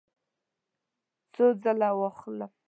څو ځله واخلم؟